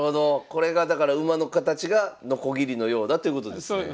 これがだから馬の形がノコギリのようだってことですね？